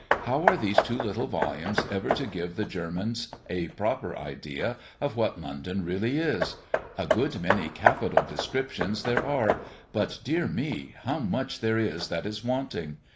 How are these two little volumes ever to give the Germans a proper idea of what London really is? A good many capital descriptions there are but, dear me! how much there is that is wanting.